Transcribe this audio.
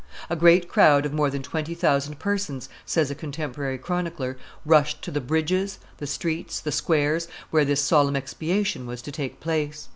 A great crowd of more than twenty thousand persons, says a contemporary chronicler, rushed to the bridges, the streets, the squares, where this solemn expiation was to take place.